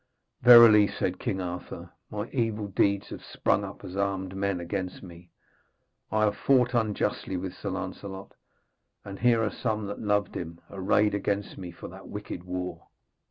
'Verily,' said King Arthur, 'my evil deeds have sprung up as armed men against me. I fought unjustly with Sir Lancelot, and here are some that loved him arrayed against me for that wicked war.'